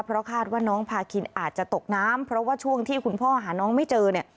เพราะคาดว่าน้องพาคินอาจจะตกน้ำเพราะว่าช่วงที่คุณพ่อหาน้องไม่เจอเนี่ย